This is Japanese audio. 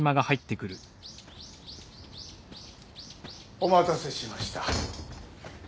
お待たせしました。